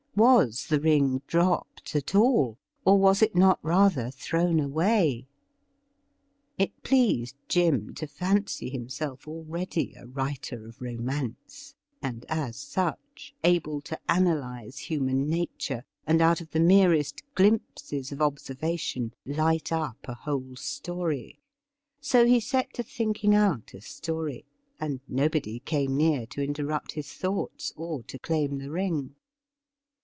Was the ring dropped at all ? or was it not rather thrown away ? It pleased Jim to fancy himself already a writer of romance, and as such able to analyze human nature, and out of the merest glimpses of observation light up a whole story. So he set to thinking out a story, and nobody came near to interrupt his thoughts or to claim the ring.